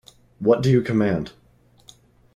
What do you command?